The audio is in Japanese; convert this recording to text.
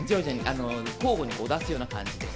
交互に出すような感じです。